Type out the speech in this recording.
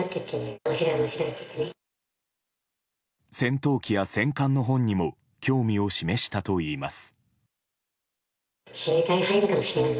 戦闘機や戦艦の本にも興味を示したといいます。